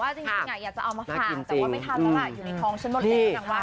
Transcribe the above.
แต่ว่าไม่ทานแล้วอ่ะอยู่ในทองฉันหมดแต่งกันอย่างนี้